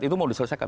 itu mau diselesaikan